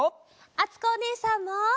あつこおねえさんも。